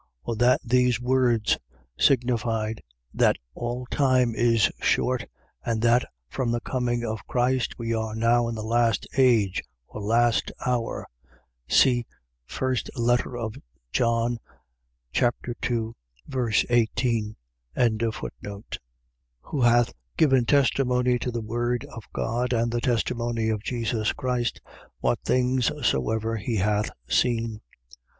Or that these words signified, that all time is short, and that from the coming of Christ, we are now in the last age or last hour. See 1 John 2.18. 1:2. Who hath given testimony to the word of God and the testimony of Jesus Christ, what things soever he hath seen.